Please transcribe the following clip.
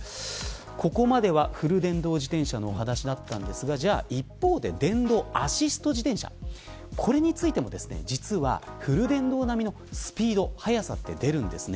ここまでは、フル電動自転車のお話だったんですが一方で、電動アシスト自転車これについても実はフル電動並みのスピード速さって出るんですね。